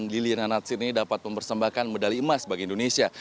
liliana natsir ini dapat mempersembahkan medali emas bagi indonesia